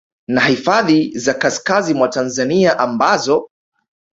na hifadhi za kaskazi mwa Tanzania ambazo